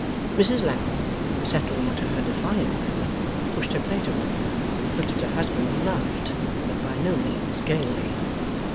Mrs Lammle, settling into her defiant manner, pushed her plate away, looked at her husband, and laughed; but by no means gaily.